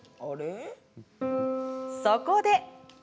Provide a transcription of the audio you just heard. そこで！